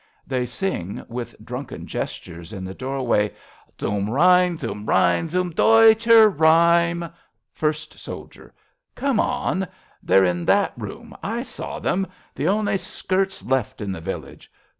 They sing, with drunken gestures, in the doorway:) " Zum Rhein, zum Rhein, zum deutscher Rhein. ..." First Soldier. Come on ! They're in that room. I saw them ! The only skirts Left in the village.